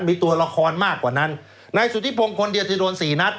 มีตัวละครมากกว่านั้นนายสุธิพงศ์คนเดียวที่โดนสี่นัด